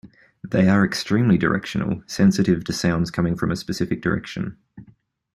They are extremely directional: sensitive to sounds coming from a specific direction.